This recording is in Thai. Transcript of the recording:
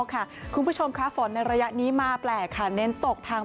คุณผู้ชมค่ะฝนในระยะนี้มาแปลกค่ะเน้นตกทาง